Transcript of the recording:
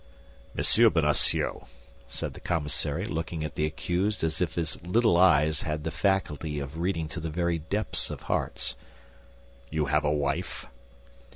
"Monsieur Bonacieux," said the commissary, looking at the accused as if his little eyes had the faculty of reading to the very depths of hearts, "you have a wife?"